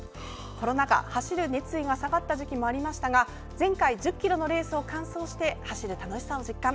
コロナ禍、走る熱意が下がった時期もありましたが前回１０ｋｍのレースを完走して走る楽しさを実感。